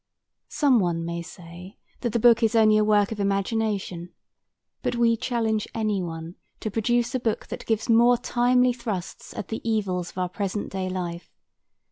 Some one may say that the book is only a work of imagination, but we challenge any one to produce a book that gives more timely thrusts at the evils of our present day life.